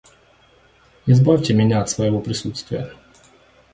Избавьте меня от своего присутствия.